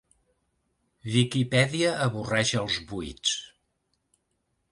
Viquipèdia avorreix els buits.